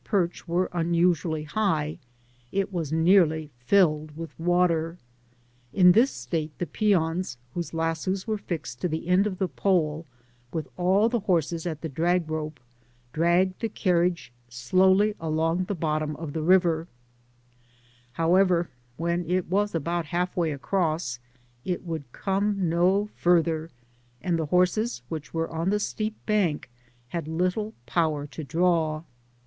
perch were unusually high, it was nearly filled with water. In this state the peons whose lassos were fixed to the end of the pole, with all the horses at the drag rope, dragged the carriage slowly along the bottom of the river : however, when it was about half way across, it would come no far ther, and the horses which were on the steep bank had little power to draw.